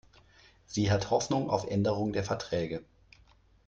Sie hat Hoffnung auf Änderung der Verträge.